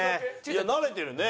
いや慣れてるね。